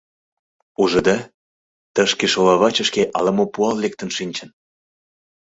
— Ужыда, тышке шола вачышке ала-мо пуал лектын шинчын.